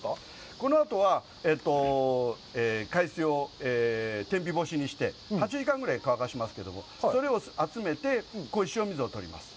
このあとは、海水を天日干しにして８時間ぐらい乾かしますけども、それを集めてこういう塩水を取ります。